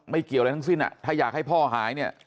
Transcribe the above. เกี่ยวอะไรทั้งสิ้นถ้าอยากให้พ่อหายเนี่ย